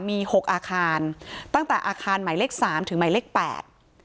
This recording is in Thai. มีหกอาคารตั้งแต่อาคารหมายเลขสามถึงหมายเลขแปด